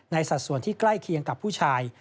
สัดส่วนที่ใกล้เคียงกับผู้ชาย